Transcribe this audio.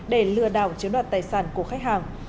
để lừa đảo chiếm đoạt tài sản của khách hàng